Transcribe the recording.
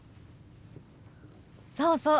そうそう。